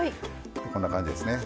こんな感じですね。